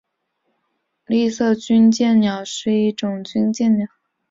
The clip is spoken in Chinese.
丽色军舰鸟是一种军舰鸟。